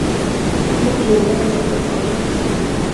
موږ لومړی ناپوهان وو .